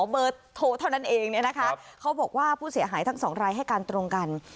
เบอร์โทรเท่านั้นเองเนี่ยนะคะเขาบอกว่าผู้เสียหายทั้งสองรายให้การตรงกัน